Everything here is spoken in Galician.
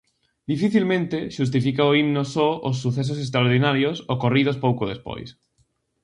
Dificilmente, xustifica o himno só os sucesos extraordinarios ocorridos pouco despois.